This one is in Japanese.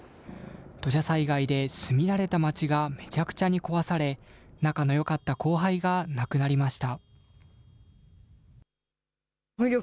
土砂災害で住み慣れた町がめちゃくちゃに壊され、仲のよかった後輩が亡くなりました。